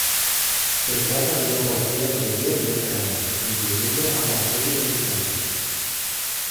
Se trata de una porción anterior de un cráneo, incluyendo ambas series dentarias.